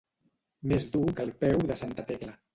Més dur que el peu de santa Tecla.